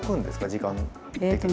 時間的には。